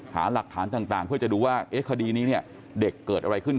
หาหลักฐานต่างเพื่อจะดูว่าคดีนี้เนี่ยเด็กเกิดอะไรขึ้น